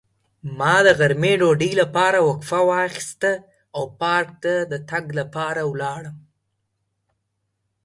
ما د غرمې ډوډۍ لپاره وقفه واخیسته او پارک ته د تګ لپاره لاړم.